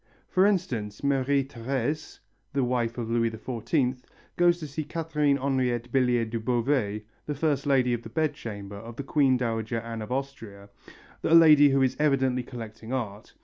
For instance, Marie Thérèse, the wife of Louis XIV, goes to see Caterine Henriette Bellier de Beauvais, the first lady of the bedchamber of the queen dowager Anne of Austria, a lady who is evidently collecting art.